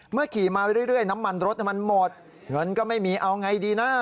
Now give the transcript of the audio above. ขี่มาเรื่อยน้ำมันรถมันหมดเงินก็ไม่มีเอาไงดีนะ